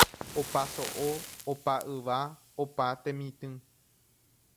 Opa so'o, opa yva, opa temitỹ.